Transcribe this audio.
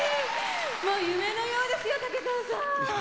もう夢のようですよタケカワさん。